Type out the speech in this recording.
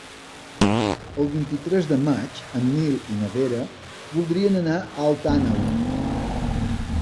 El vint-i-tres de maig en Nil i na Vera voldrien anar a Alt Àneu.